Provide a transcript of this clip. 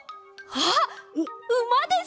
あっうまです！